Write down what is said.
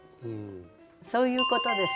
そういうことです。